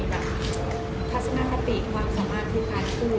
ภาษาสนาคติความสามารถทุกพูด